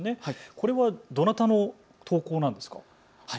これはどなたの投稿なんですか。